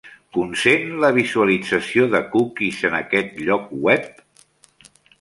Consent la visualització de cookies en aquest lloc web?